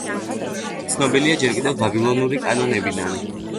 ცნობილია ჯერ კიდევ ბაბილონური კანონებიდან.